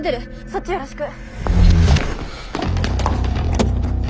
そっちよろしく！